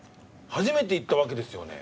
初めて行ったわけですよね？